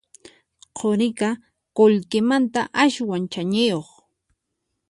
Quriqa qullqimanta aswan chaniyuq